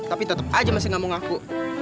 tapi tetep aja masih ga mau ngaku